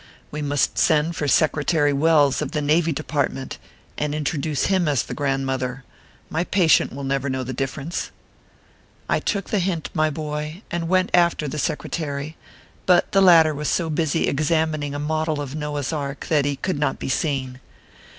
We must send for Secretary Welles of the Navy Department, and introduce him as the grandmother. My patient will never know the difference." I took the hint, my boy, and went after the Secre tary ; but the latter was so busy examining a model of Noah s Ark that he could not be seen.